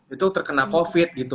itu terkena covid gitu